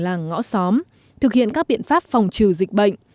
làng ngõ xóm thực hiện các biện pháp phòng trừ dịch bệnh